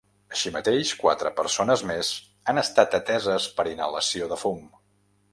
Així mateix, quatre persones més han estat ateses per inhalació de fum.